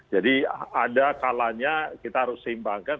jadi ada kalanya kita harus seimbangkan